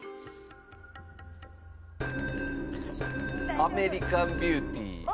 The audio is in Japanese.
『アメリカン・ビューティー』。